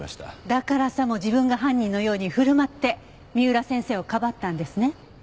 だからさも自分が犯人のように振る舞って三浦先生をかばったんですね。